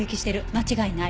間違いない。